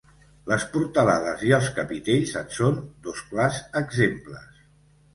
Les portalades i els capitells en són dos clars exemples.